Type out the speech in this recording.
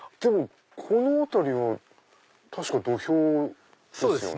この辺りは確か土俵ですよね。